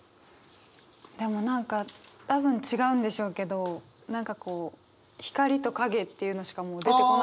でも何か多分違うんでしょうけど何かこう光と影っていうのしかもう出てこなくて。